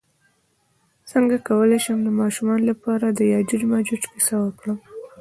څنګه کولی شم د ماشومانو لپاره د یاجوج ماجوج کیسه وکړم